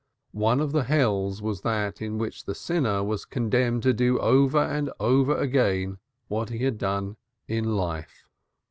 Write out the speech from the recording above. One of the Hells was that in which the sinner was condemned to do over and over again the sins he had done in life.